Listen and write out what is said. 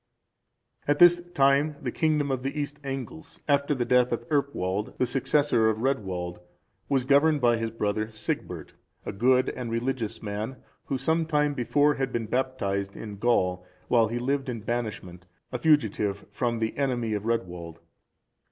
] At this time, the kingdom of the East Angles, after the death of Earpwald, the successor of Redwald, was governed by his brother Sigbert,(376) a good and religious man, who some time before had been baptized in Gaul, whilst he lived in banishment, a fugitive from the enmity of Redwald.